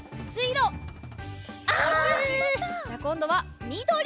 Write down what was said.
じゃあこんどはみどり。